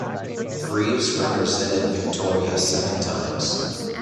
Greeves represented Victoria seven times.